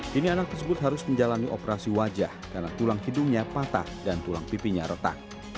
kini anak tersebut harus menjalani operasi wajah karena tulang hidungnya patah dan tulang pipinya retak